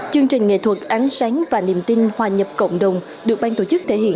chương trình nghệ thuật ánh sáng và niềm tin hòa nhập cộng đồng được ban tổ chức thể hiện